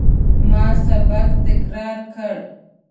ما سبق تکرار کړ.